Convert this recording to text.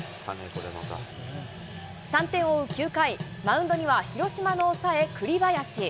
３点を追う９回、マウンドには広島の抑え、栗林。